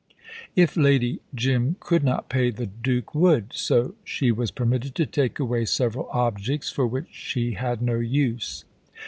If Lady Jim could not pay the Duke would, so she was permitted to take away several objects for which she had no use.